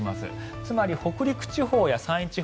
つまり、北陸地方や山陰地方